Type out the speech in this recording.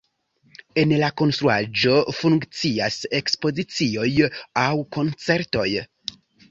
En la konstruaĵo funkcias ekspozicioj aŭ koncertoj.